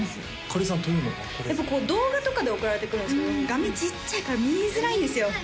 これやっぱ動画とかで送られてくるんですけど画面ちっちゃいから見えづらいんですよ